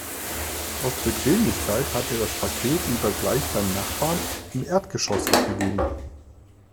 Aus Bequemlichkeit hat er das Paket lieber gleich beim Nachbarn im Erdgeschoss abgegeben.